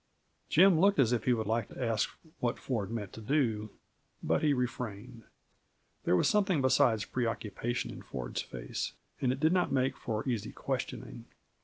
Jim looked as if he would like to ask what Ford meant to do, but he refrained. There was something besides preoccupation in Ford's face, and it did not make for easy questioning.